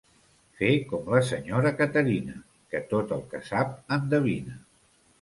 Fer com la senyora Caterina, que tot el que sap endevina.